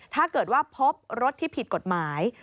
ถ้าเกิดว่าพบรถที่ผิดกฎหมาย